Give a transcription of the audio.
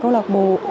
câu lạc bộ